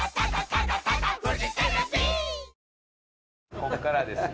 こっからですね。